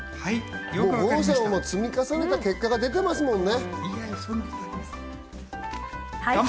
五郎さんは積み重ねた結果が出てますもんね。